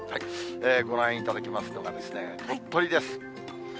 ご覧いただきますのが、鳥取です。